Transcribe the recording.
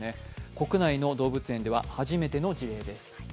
国内の動物園では初めての事例です。